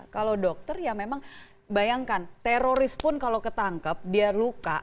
kalau dokter ya memang bayangkan teroris pun kalau ketangkep dia luka